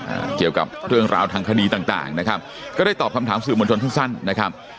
อ่าเกี่ยวกับเรื่องราวทางคดีต่างต่างนะครับก็ได้ตอบคำถามสื่อมวลชนสั้นสั้นนะครับ